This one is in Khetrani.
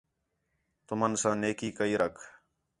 تُمن ساں نیکی کَئی رکھ